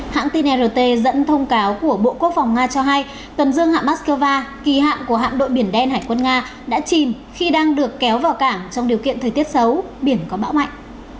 hãng tin rt dẫn thông cáo của bộ quốc phòng nga cho hay tuần dương hạ moscow kỳ hạng của hạm đội biển đen hải quân nga đã chìm khi đang được kéo vào cảng trong điều kiện thời tiết xấu biển có bão mạnh